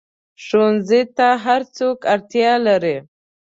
ښوونځی ته هر څوک اړتیا لري